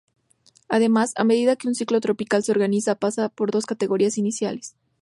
Además, a medida que un ciclón tropical se organiza, pasa por dos categorías iniciales.